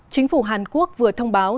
chính phủ hàn quốc vừa thông báo